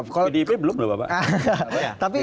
bdp belum lho bapak